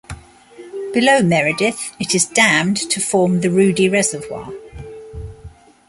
Below Meredith, it is dammed to form the Ruedi Reservoir.